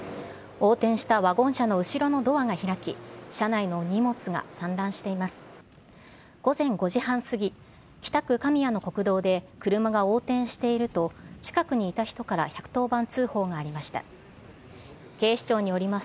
横転したワゴン車の後ろのドアが開き、車内の荷物が散乱しています。